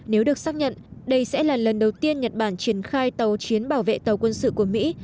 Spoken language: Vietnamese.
nếu được xác nhận đây sẽ là lần đầu tiên nhật bản triển khai tàu chiến bảo vệ tàu quân sự của mỹ